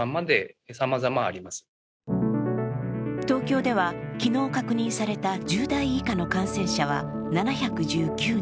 東京では昨日確認された１０代以下の感染者は７１９人。